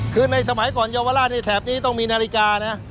คือในสมัยก่อนเยาวราชในแถบนี้ต้องมีนาฬิกานะ